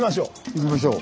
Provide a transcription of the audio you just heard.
行きましょう。